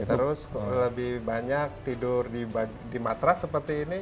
terus lebih banyak tidur di matras seperti ini